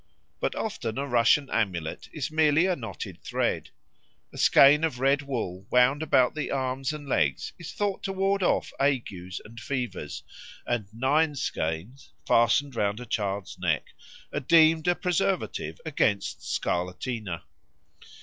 But often a Russian amulet is merely a knotted thread. A skein of red wool wound about the arms and legs is thought to ward off agues and fevers; and nine skeins, fastened round a child's neck, are deemed a preservative against scarlatina.